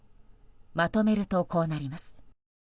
まとめると、こうなります。